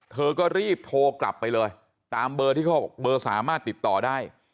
เธอก็รีบโทรกลับไปเลยตามเบอร์ที่เขาบอกเบอร์สามารถติดต่อได้